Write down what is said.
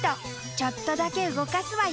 ちょっとだけ動かすわよ。